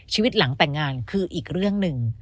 ชีวิตหลังแต่งงานคืออีกเรื่องหนึ่ง